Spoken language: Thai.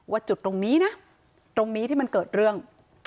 จุดตรงนี้นะตรงนี้ที่มันเกิดเรื่อง